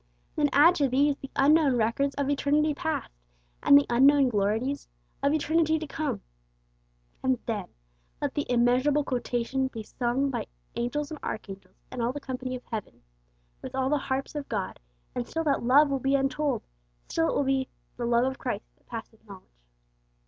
Then add to these the unknown records of eternity past and the unknown glories of eternity to come, and then let the immeasurable quotation be sung by 'angels and archangels, and all the company of heaven,' with all the harps of God, and still that love will be untold, still it will be 'the love of Christ that passeth knowledge.'